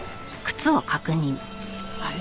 あれ？